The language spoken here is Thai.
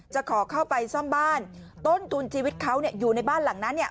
ขอเข้าไปซ่อมบ้านต้นทุนชีวิตเขาอยู่ในบ้านหลังนั้น